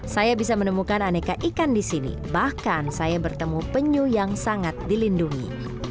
saya bisa menemukan aneka ikan di sini bahkan saya bertemu penyu yang sangat dilindungi